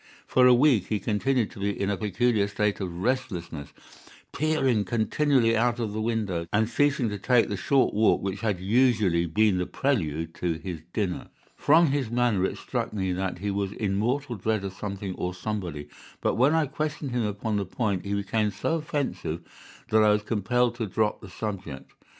For a week he continued to be in a peculiar state of restlessness, peering continually out of the windows, and ceasing to take the short walk which had usually been the prelude to his dinner. From his manner it struck me that he was in mortal dread of something or somebody, but when I questioned him upon the point he became so offensive that I was compelled to drop the subject.